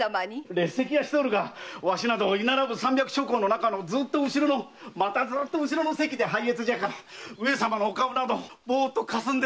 列席はしておるがわしなど居並ぶ三百諸侯のずっと後ろのまた後ろの席で拝謁じゃから上様のお顔はボッと霞んで。